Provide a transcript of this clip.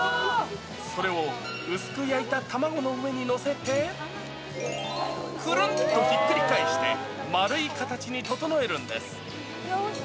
それを、薄く焼いた卵の上に載せて、くるんとひっくり返して、丸い形に整えるんです。